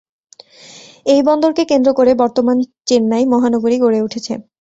এই বন্দরকে কেন্দ্র করে বর্তমান চেন্নাই মহানগরী গড়ে উঠেছে।